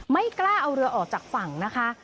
ไม่กล้าเอาเรือออกจากฝั่งนะคะ